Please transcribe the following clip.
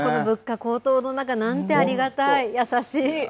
物価高騰の中、なんてありがたい、優しい。